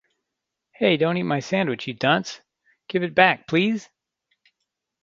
Hey, don't eat my sandwich, you dunce! Give it back please?